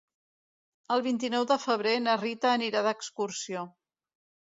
El vint-i-nou de febrer na Rita anirà d'excursió.